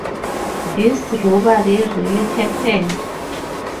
This robbery really happened.